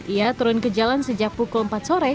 ia turun ke jalan sejak pukul empat sore